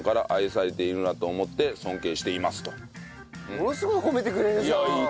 ものすごい褒めてくれるじゃん。